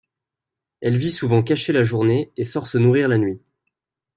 Elle vit souvent cachée la journée, et sort se nourrir la nuit.